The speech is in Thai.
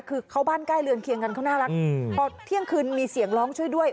คือเขาบ้านใกล้เรือนเคียงกันเขาน่ารักพอเที่ยงคืนมีเสียงร้องช่วยด้วย